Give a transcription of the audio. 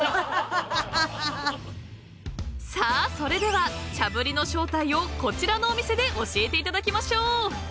［さあそれでは茶ぶりの正体をこちらのお店で教えていただきましょう！］